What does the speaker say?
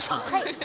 はい。